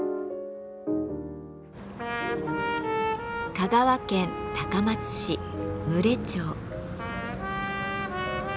香川県高松市牟礼町。